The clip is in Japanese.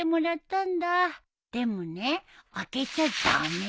でもね開けちゃ駄目。